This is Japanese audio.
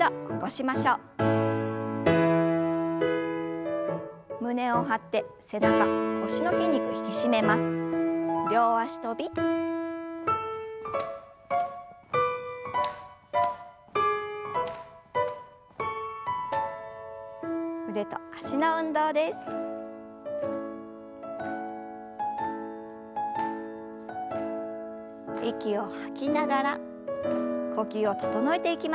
息を吐きながら呼吸を整えていきましょう。